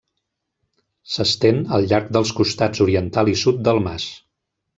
S'estén al llarg dels costats oriental i sud del mas.